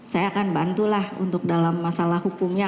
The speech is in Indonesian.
saya akan bantulah untuk dalam masalah hukumnya